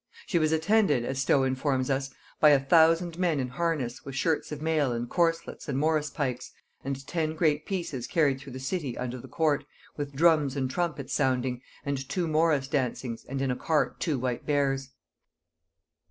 She was attended, as Stow informs us, by a thousand men in harness with shirts of mail and corselets and morice pikes, and ten great pieces carried through the city unto the court, with drums and trumpets sounding, and two morice dancings, and in a cart two white bears.